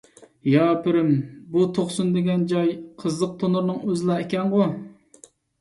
يا پىرىم، بۇ توقسۇن دېگەن جاي قىزىق تونۇرنىڭ ئۆزىلا ئىكەنغۇ.